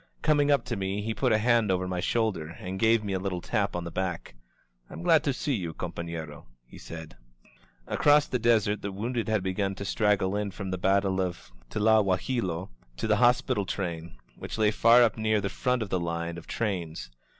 Coming up to me he put a hand over my shoulder and gave me a little tap on the back. '^I'm glad to see you, compa4tero9 he said. .•• Across the desert the wounded had begun to strag gle in from the battle of Tlahualilo to the hospital train, which lay far up near the front of the line of trains.